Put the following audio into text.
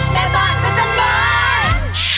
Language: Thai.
แม่บ้านพระจันทร์บ้าน